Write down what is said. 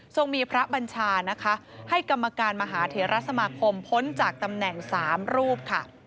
ทรงมีพระบัญชาให้กรรมการมหาเทราสมาคมพ้นจากตำแหน่งสามรูป